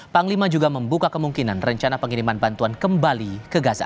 panglima juga membuka kemungkinan rencana pengiriman bantuan kembali ke gaza